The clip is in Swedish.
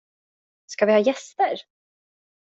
Ska vi ha gäster?